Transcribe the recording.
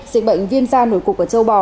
dịch bệnh viêm da nổi cục ở châu bò